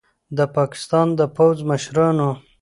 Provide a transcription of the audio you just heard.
د پاکستان د پوځ مشرانو